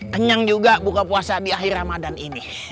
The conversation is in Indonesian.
kenyang juga buka puasa di akhir ramadan ini